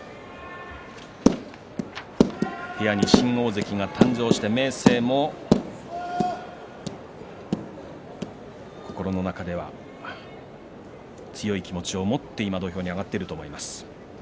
部屋に新大関が誕生して明生も心の中では強い気持ちを持って今土俵に上がっていると思います。